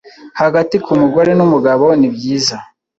hagati ku mugore n’umugabo.nibyiza